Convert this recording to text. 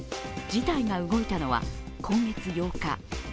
事態が動いたのは今月８日。